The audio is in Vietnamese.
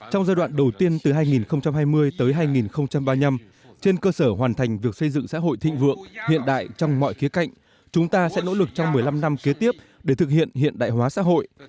trong giai đoạn đầu tiên từ hai nghìn hai mươi tới hai nghìn ba mươi năm trên cơ sở hoàn thành việc xây dựng xã hội thịnh vượng hiện đại trong mọi khía cạnh chúng ta sẽ nỗ lực trong một mươi năm năm kế tiếp để thực hiện hiện đại hóa xã hội